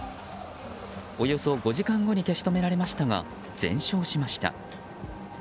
およそ５時間後に消し止められましたが全焼しました。